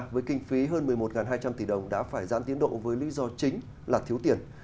với kinh phí hơn một mươi một hai trăm linh tỷ đồng đã phải giãn tiến độ với lý do chính là thiếu tiền